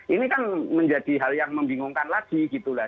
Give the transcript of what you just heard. ini kan menjadi hal yang membingungkan lagi gitu lah